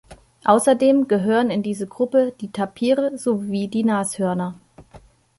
Außerdem gehören in diese Gruppe die Tapire sowie die Nashörner.